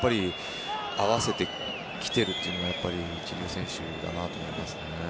合わせてきているというのが一流選手だなと思いますね。